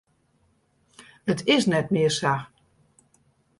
It is net mear sa.